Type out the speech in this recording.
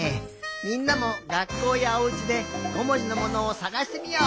みんなもがっこうやおうちで５もじのものをさがしてみよう。